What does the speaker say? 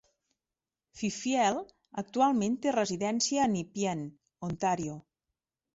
Fifield actualment té residència a Nepean (Ontario).